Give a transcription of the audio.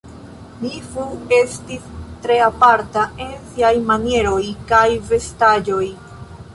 Mi Fu estis tre aparta en siaj manieroj kaj vestaĵoj.